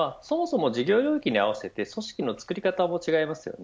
そもそも事業領域に合わせて組織のつくり方も違います。